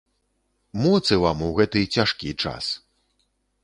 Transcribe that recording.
Моцы вам у гэты цяжкі час.